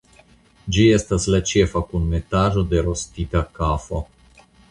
Ĝi estas la ĉefa kunmetaĵo de rostita kafo.